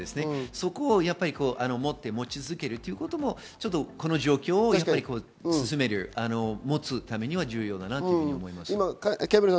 そこを持ち続けるということも、この状況を進める、持つためには必要だと思います。